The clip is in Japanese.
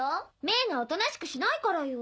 メイがおとなしくしないからよ。